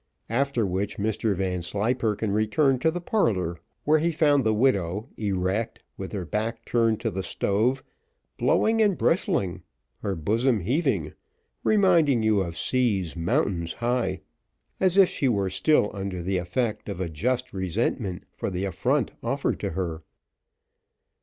After which Mr Vanslyperken returned to the parlour, where he found the widow, erect, with her back turned to the stove, blowing and bristling, her bosom heaving, reminding you of seas mountains high, as if she were still under the effect of a just resentment for the affront offered to her.